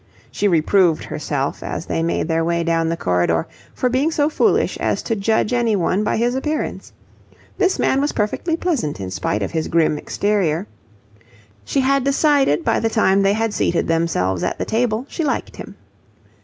She reproved herself, as they made their way down the corridor, for being so foolish as to judge anyone by his appearance. This man was perfectly pleasant in spite of his grim exterior. She had decided by the time they had seated themselves at the table she liked him.